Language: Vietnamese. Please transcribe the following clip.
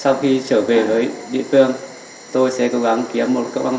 sau khi trở về với địa phương tôi sẽ cố gắng kiếm một cơ quan